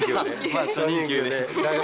まあ初任給で。